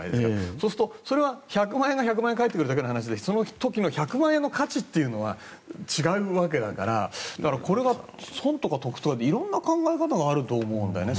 そうするとそれは１００万円が１００万円返ってくるだけの話でその時の１００万円の価値っていうのは違うわけだからこれが損とか得とか色んな考え方があると思うんだよね。